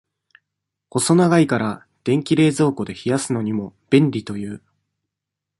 細長いから、電気冷蔵庫で冷やすのにも、便利という。